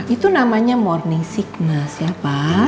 itu namanya morning signess ya pak